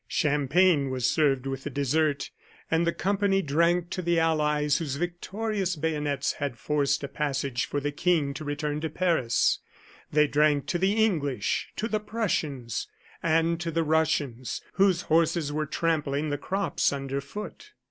Champagne was served with the dessert; and the company drank to the allies whose victorious bayonets had forced a passage for the King to return to Paris; they drank to the English, to the Prussians, and to the Russians, whose horses were trampling the crops under foot.